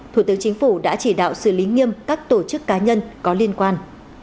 thủ tướng chính phủ đã chỉ đạo xử lý nghiêm các tổ chức cá nhân có liên quan